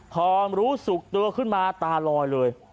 พอรู้สึกตัวขึ้นมาตาลอยเลย